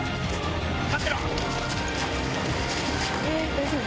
大丈夫？